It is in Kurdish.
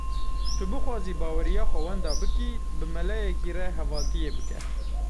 Tu bixwazî baweriya xwe wenda bikî, bi meleyekî re hevaltiyê bike.